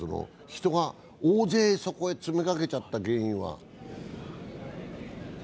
人が大勢、そこに詰めかけちゃった原因は。